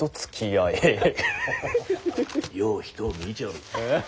よう人を見ちょる。